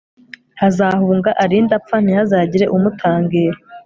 azahunga arinde apfa, ntihazagire umutangira